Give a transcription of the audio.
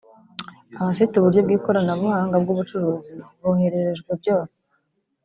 Abafite uburyo bw’ikoronabuhanga bw’ubucuruzi bohererejwe byose